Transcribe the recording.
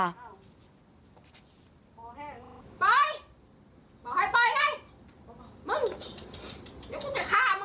พอได้มั้ยไปบอกให้ไปนะโอเคบะบะบะพอให้ไปไง